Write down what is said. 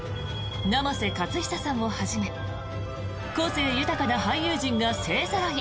生瀬勝久さんをはじめ個性豊かな俳優陣が勢ぞろい。